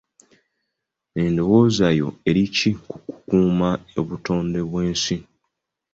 Endowooza yo eri ki ku kukuuma obutonde bw'ensi?